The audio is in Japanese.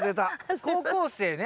高校生ね。